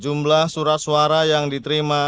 jumlah surat suara yang diterima